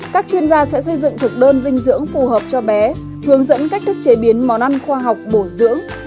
các chuyên gia sẽ xây dựng thực đơn dinh dưỡng phù hợp cho bé hướng dẫn cách thức chế biến món ăn khoa học bổ dưỡng